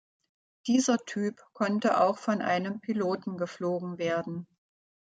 Dieser Typ konnte auch von einem Piloten geflogen werden.